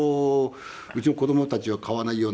うちの子供たちは買わないようなもの。